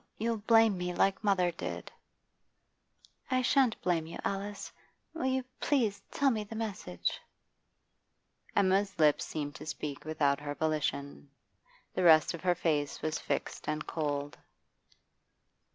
You'll blame me, like mother did.' 'I shan't blame you, Alice. Will you please tell me the message?' Emma's lips seemed to speak without her volition. The rest o her face was fixed and cold.